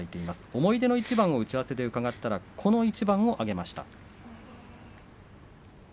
思い出の一番、打ち合わせでこの一番を挙げました。